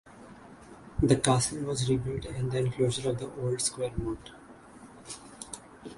The castle was rebuilt in the enclosure of the old square moat.